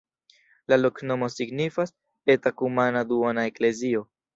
La loknomo signifas: eta-kumana-duona-eklezio.